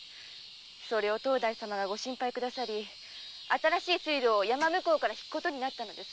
それを当代様がご心配くださり新しい水路を山向こうから引くことになったのです。